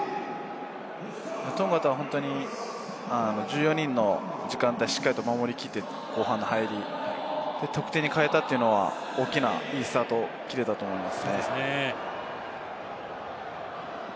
トンガとっては１４人の時間帯を守り切って、後半の入り、得点に変えたというのは、大きなスタートを切れたと思います。